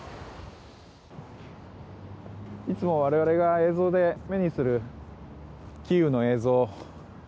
いつも我々が映像で目にするキーウの映像。